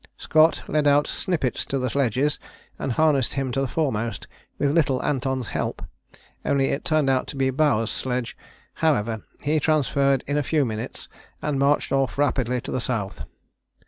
Scott led out Snippets to the sledges, and harnessed him to the foremost, with little Anton's help only it turned out to be Bowers' sledge! However he transferred in a few minutes and marched off rapidly to the south.